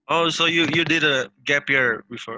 oh jadi kamu melakukan gap year sebelumnya